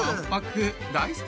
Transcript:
大好き